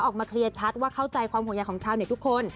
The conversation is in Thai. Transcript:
ออกมาเคลียร์ชัดว่าเข้าใจความห่วงใยของชาวเน็ตทุกคน